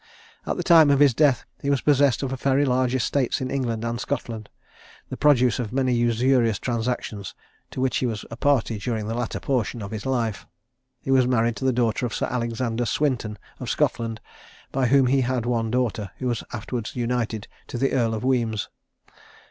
At the time of his death, he was possessed of very large estates in England and Scotland, the produce of many usurious transactions, to which he was a party during the latter portion of his life. He was married to the daughter of Sir Alexander Swinton, of Scotland, by whom he had one daughter, who was afterwards united to the Earl of Wemyss.